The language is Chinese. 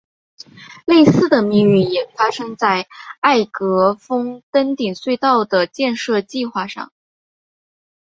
类似的命运也发生在艾格峰登顶隧道的建设计画上。